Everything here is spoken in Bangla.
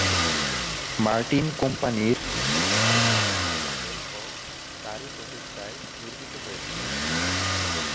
মার্টিন কোম্পানির হাওড়া- আমতা রেলপথ তারই প্রচেষ্টায় নির্মিত হয়েছিল।